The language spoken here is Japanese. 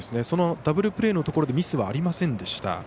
ダブルプレーのところでミスはありませんでした。